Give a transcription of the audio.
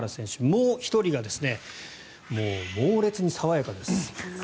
もう１人がもう猛烈に爽やかです。